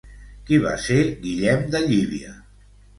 Qui va ser Guillem de Llívia?